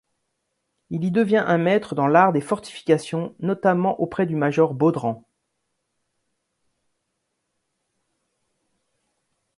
Il y devient un maître dans l’art des fortifications, notamment auprès du major Baudrand.